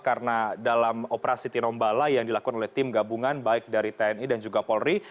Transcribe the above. karena dalam operasi tinombala yang dilakukan oleh tim gabungan baik dari tni dan juga polri